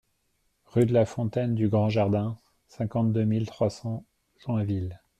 Rue de la Fontaine du Grand Jardin, cinquante-deux mille trois cents Joinville